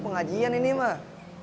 pengajian ini mah